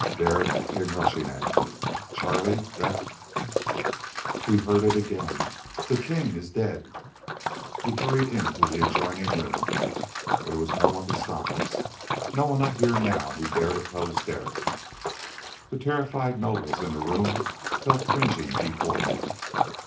Derek came rushing at me. "Charlie, that " We heard it again. "The king is dead!" We hurried into the adjoining room. There was no one to stop us no one up here now who dared oppose Derek. The terrified nobles in the room fell cringing before him.